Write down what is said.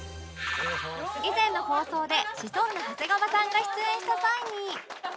以前の放送でシソンヌ長谷川さんが出演した際に